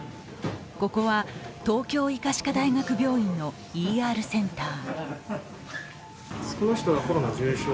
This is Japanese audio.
ここは東京医科歯科大学病院のＥＲセンター。